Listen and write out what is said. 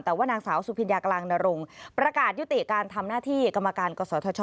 แต่ว่านางสาวสุพิญญากลางนรงประกาศยุติการทำหน้าที่กรรมการกศธช